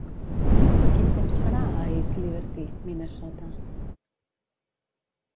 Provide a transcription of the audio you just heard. Quin temps farà a East Liberty, Minnesota?